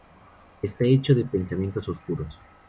Esta hecho de pensamientos oscuros.